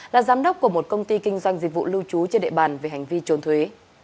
là giám đốc của một công ty kinh doanh dịch vụ lưu trú trên địa bàn về hành vi trốn thuế